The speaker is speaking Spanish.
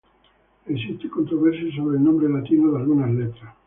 Existe controversia sobre el nombre latino de algunas letras.